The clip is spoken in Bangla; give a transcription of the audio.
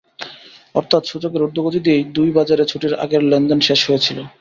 অর্থাৎ সূচকের ঊর্ধ্বগতি দিয়েই দুই বাজারে ছুটির আগের লেনদেন শেষ হয়েছিল।